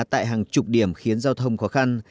tại hàng chục điểm khiến giao thông khó khăn